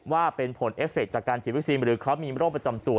ว่าเป็นผลเอฟเฟคจากการฉีดวัคซีนหรือเขามีโรคประจำตัว